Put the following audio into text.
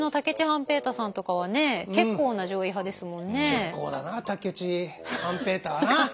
結構だな武市半平太はな。